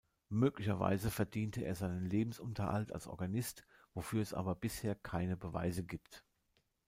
Möglicherweise verdiente er seinen Lebensunterhalt als Organist, wofür es aber bisher keine Beweise gibt.